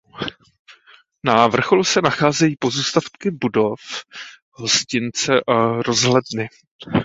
Na vrcholu se nacházejí pozůstatky budov hostince a rozhledny.